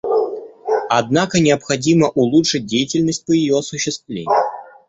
Однако необходимо улучшить деятельность по ее осуществлению.